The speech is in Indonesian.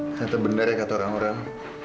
kata benar ya kata orang orang